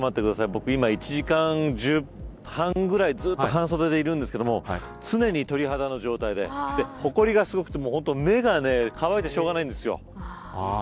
僕１時間半ぐらいずっと半袖でいるんですけど常に鳥肌の状態でほこりがすごくて目が乾いてしょうがないです。